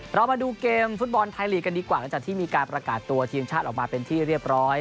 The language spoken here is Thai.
เรามาดูเกมฟุตบอลไทยลีกกันดีกว่าหลังจากที่มีการประกาศตัวทีมชาติออกมาเป็นที่เรียบร้อย